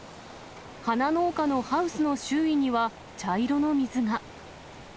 花農家のハウスの周囲には、茶色の水が。